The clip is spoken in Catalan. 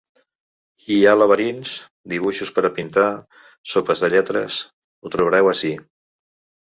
Hi ha laberints, dibuixos per a pintar, sopes de lletres… Ho trobareu ací.